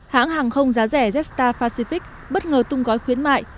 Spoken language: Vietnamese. hãng hàng không giá rẻ jetstar pacific bất ngờ tung gói khuyến mại